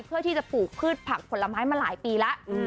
เพื่อที่จะปลูกพืชผักผลไม้มาหลายปีแล้ว